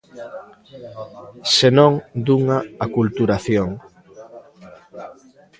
Senón dunha aculturación.